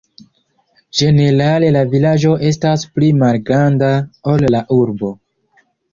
Ĝenerale la vilaĝo estas pli malgranda, ol la urbo.